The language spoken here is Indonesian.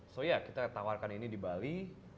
so ya kita tawarkan ini di bali